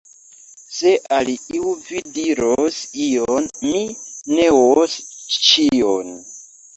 Se al iu vi diros ion, mi neos ĉion.